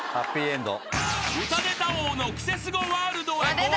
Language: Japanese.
［歌ネタ王のクセスゴワールドへご案内］